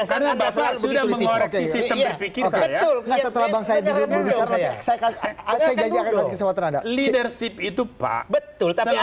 saya menggantikan kebiasaan